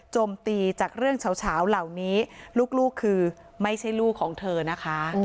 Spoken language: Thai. โจมตีจากเรื่องเฉาเหล่านี้ลูกคือไม่ใช่ลูกของเธอนะคะ